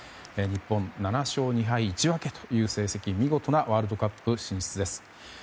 日本、７勝２敗１分という成績で見事なワールドカップ進出です。